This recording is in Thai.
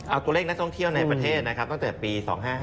เอาตัวเลขแนตท่องเที่ยวในประเทศตั้งแต่ปี๒๕๕๒๒๕๖๐